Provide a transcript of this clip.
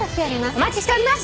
お待ちしております！